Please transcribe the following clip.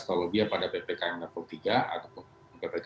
kalau dia pada ppkm tiga puluh tiga ataupun ppkm tiga puluh dua